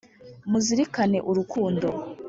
muzirikane urukundo